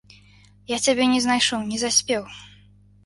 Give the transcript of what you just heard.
Я цябе не знайшоў, не заспеў.